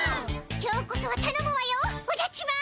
今日こそはたのむわよおじゃっちマン！